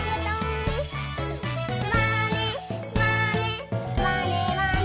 「まねまねまねまね」